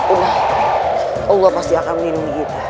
allah pasti akan menindungi kita